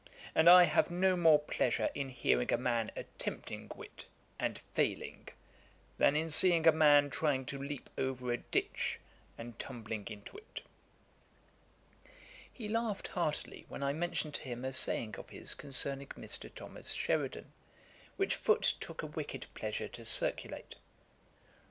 And I have no more pleasure in hearing a man attempting wit and failing, than in seeing a man trying to leap over a ditch and tumbling into it.' He laughed heartily, when I mentioned to him a saying of his concerning Mr. Thomas Sheridan, which Foote took a wicked pleasure to circulate.